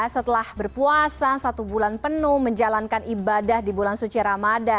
setelah berpuasa satu bulan penuh menjalankan ibadah di bulan suci ramadan